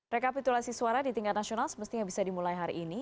rekapitulasi suara di tingkat nasional semestinya bisa dimulai hari ini